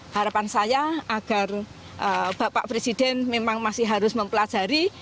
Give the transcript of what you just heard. harapan saya agar bapak presiden memang masih harus mempelajari